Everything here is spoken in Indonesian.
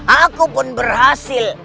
aku pun berhasil